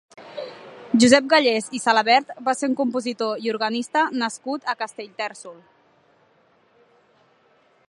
Josep Gallés i Salabert va ser un compositor i organista nascut a Castellterçol.